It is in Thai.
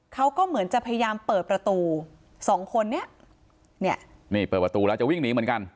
เขาก็เหมือนจะพยายามเปิดประตูสองคนเนี้ยเนี่ยนี่เปิดประตูแล้วจะวิ่งหนีเหมือนกัน